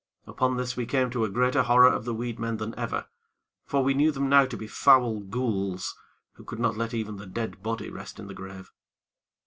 Upon this, we came to a greater horror of the weed men than ever; for we knew them now to be foul ghouls who could not let even the dead body rest in the grave.